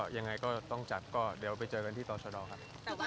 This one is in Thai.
ยังจับอยู่ครับ